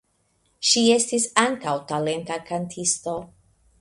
Ŝi estis ankaŭ talenta kantisto.